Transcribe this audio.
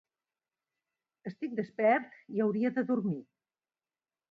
Estic despert i hauria de dormir